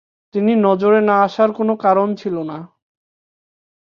তিনি নজরে না আসার কোন কারণ ছিল না।